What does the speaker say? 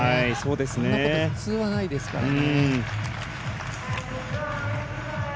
こんなこと普通はないですからね。